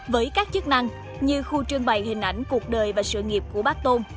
với các chức năng như khu trương bày hình ảnh cuộc đời và sự nghiệp của bác tôn